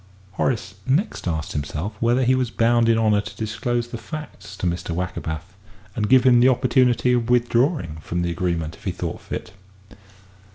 Horace next asked himself whether he was bound in honour to disclose the facts to Mr. Wackerbath, and give him the opportunity of withdrawing from the agreement if he thought fit.